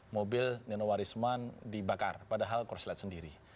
mobil nino warisman dibakar padahal korslet sendiri